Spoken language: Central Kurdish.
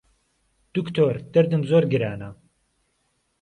دوکتۆر دەردم زۆر گرانە